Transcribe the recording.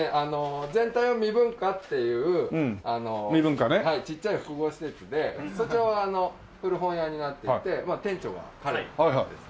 全体をｍｉｂｕｎｋａっていうちっちゃい複合施設でそちらは古本屋になっていて店長が彼ですね。